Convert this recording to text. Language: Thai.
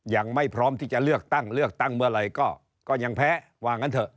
ยังไม่พร้อมที่จะเลือกตั้งเลือกตั้งเมื่อไหร่ก็ยังแพ้ว่างั้นเถอะ